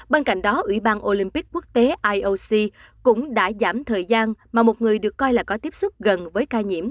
bên cạnh đó ủy ban olympic quốc tế ioc cũng đã giảm thời gian mà một người được coi là có tiếp xúc gần với ca nhiễm